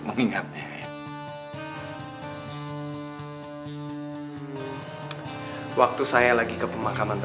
lagi ngegali kubur di sana